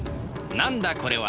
なんだこれは！